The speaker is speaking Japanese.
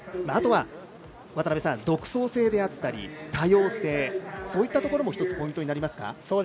あとは独創性であったり多様性そういったところも１つポイントになりますか。